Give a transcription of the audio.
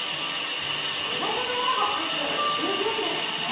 これだけの物が入ったら十分ですしね。